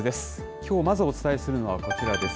きょうまずお伝えするのはこちらです。